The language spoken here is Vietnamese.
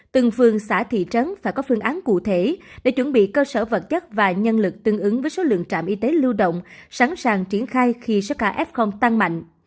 từng phường xã thị trấn phải có phương án cụ thể để chuẩn bị cơ sở vật chất và nhân lực tương ứng với số lượng trạm y tế lưu động sẵn sàng triển khai khi số ca f tăng mạnh